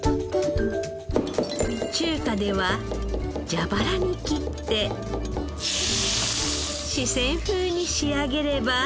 中華ではじゃばらに切って四川風に仕上げれば。